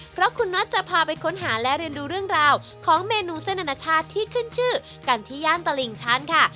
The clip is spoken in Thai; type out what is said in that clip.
เพราะคุณน็อตจะพาไปค้นหาและเรียนดูเรื่องราวของเมนูเส้นอนาชาติที่ขึ้นชื่อกันที่ย่านตลิ่งชั้นค่ะ